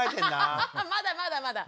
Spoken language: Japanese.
まだまだまだ。